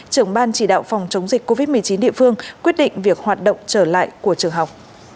trưởng ban chỉ đạo phòng chống dịch covid một mươi chín địa phương quyết định việc hoạt động trở lại của trường học